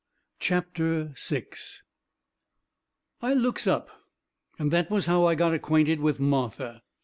CHAPTER VI I looks up, and that was how I got acquainted with Martha.